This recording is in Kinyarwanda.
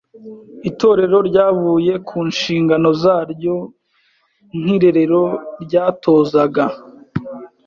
Itorero ryavuye ku nshingano zaryo nk’Irerero ryatozaga